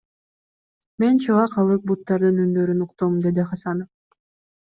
Мен чыга калып буттардын үндөрүн уктум, — деди Хасанов.